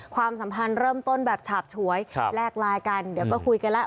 ความสัมพันธ์เริ่มต้นแบบฉาบฉวยแลกไลน์กันเดี๋ยวก็คุยกันแล้ว